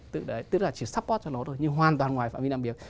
tức là chỉ support cho nó thôi nhưng hoàn toàn ngoài phạm vi làm việc